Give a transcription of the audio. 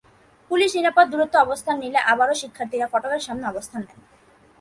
Police নিরাপদ দূরত্বে অবস্থান নিলে আবারও শিক্ষার্থীরা ফটকের সামনে অবস্থান নেন।